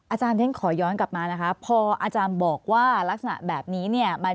อาจารย์ฉันขอย้อนกลับมานะคะพออาจารย์บอกว่าลักษณะแบบนี้เนี่ย